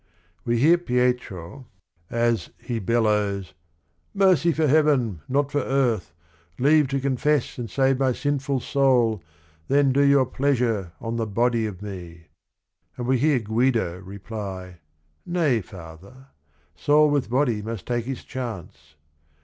We hear Pietro as TERTIUM QUID 51 ''He bellows, 'Mercy for heaven, not for earth I Leave to confess and save my sinful soul, Then do your pleasure on the body of me I '" and we hear Guido reply J' Nay, father, soul with body must take its chance."